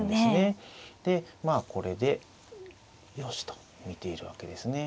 でまあこれでよしと見ているわけですね。